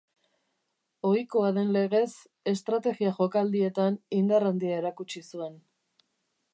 Ohikoa den legez, estrategia jokaldietan indar handia erakutsi zuen.